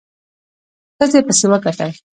ښځې پسې وکتل.